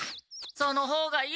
その方がいい。